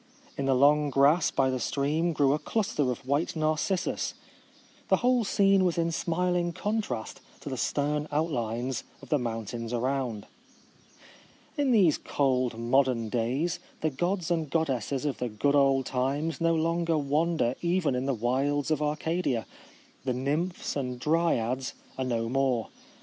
In the long grass by the stream grew a cluster of white narcissus. The whole scene was in smiling contrast to the stern outlines of the moun tains around. In these cold modern days the gods and goddesses of the good old times no longer wander even in the wilds of Arcadia. The nymphs and dryads are no more.